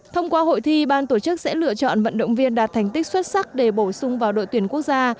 thông qua hội thi ban tổ chức sẽ lựa chọn vận động viên đạt thành tích xuất sắc để bổ sung vào đội tuyển quốc gia